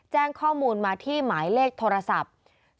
แจ้งข้อมูลมาที่หมายเลขโทรศัพท์๐๘๔๓๙๐๘๗๗๘